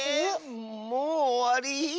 もうおわり？